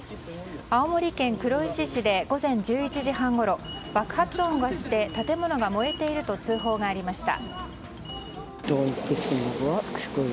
青森県黒石市で午前１１時半ごろ爆発音がして建物が燃えていると通報がありました。